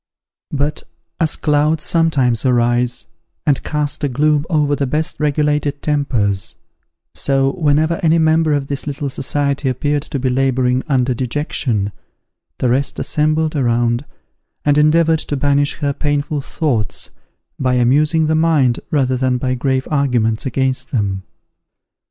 But, as clouds sometimes arise, and cast a gloom over the best regulated tempers, so whenever any member of this little society appeared to be labouring under dejection, the rest assembled around, and endeavoured to banish her painful thoughts by amusing the mind rather than by grave arguments against them.